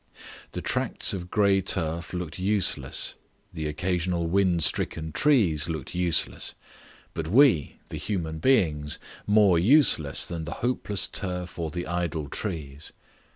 The tracts of grey turf looked useless, the occasional wind stricken trees looked useless, but we, the human beings, more useless than the hopeless turf or the idle trees.